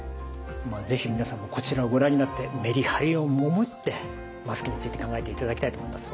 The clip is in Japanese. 是非皆さんもこちらをご覧になってメリハリを持ってマスクについて考えていただきたいと思います。